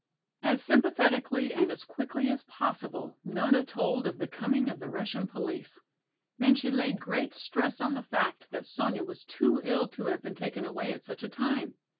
As sympathetically and as quickly as possible Nona told of the coming of the Russian police. Then she laid great stress on the fact that Sonya was too ill to have been taken away at such a time.